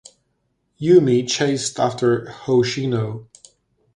Yumi chased after Hoshino.